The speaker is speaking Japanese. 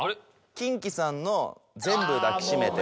キンキさんの「全部だきしめて」